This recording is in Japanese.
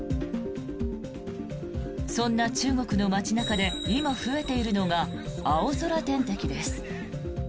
そんな中国の街中で今、増えているのが青空点滴です。